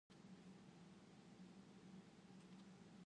anak itu terpikau-pikau melihat ular sebesar itu